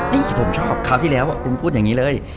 นี่ผมชอบคราวที่แล้วคุณพูดอย่างนี้เลย